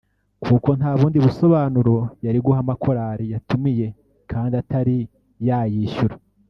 kuko nta bundi busobanuro yari guha amakorali yatumiye kandi atari yayishyura